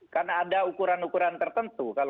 karena ada ukuran ukuran tertentu